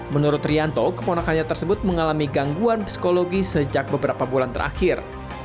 menurut rianto keponakannya tersebut mengalami gangguan psikologi sejak beberapa bulan terakhir